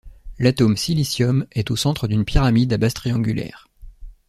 L'atome silicium est au centre d'une pyramide à base triangulaire.